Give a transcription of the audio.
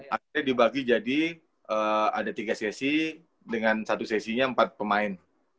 akhirnya dibagi jadi ada tiga sesi dengan satu sesinya empat pemain